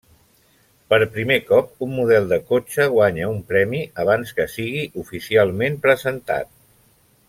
Per primer cop, un model de cotxe guanya un premi abans que sigui oficialment presentat.